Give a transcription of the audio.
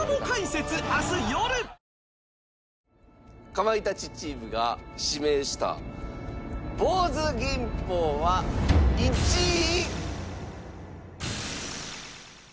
かまいたちチームが指名したぼうず銀宝は１位。